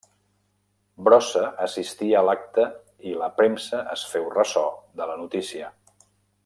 Brossa assistí a l'acte i la premsa es féu ressò de la notícia.